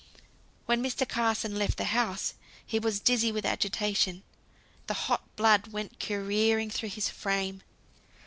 When Mr. Carson left the house he was dizzy with agitation; the hot blood went careering through his frame.